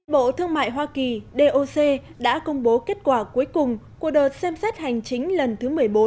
bộ thương mại hoa kỳ doc đã công bố kết quả cuối cùng của đợt xem xét hành chính lần thứ một mươi bốn